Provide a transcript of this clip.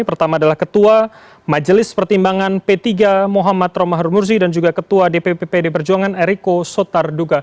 pertama adalah ketua majelis pertimbangan p tiga muhammad romahur murzi dan juga ketua dpp pd perjuangan eriko sotarduga